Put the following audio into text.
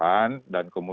dan kemudian di kabupaten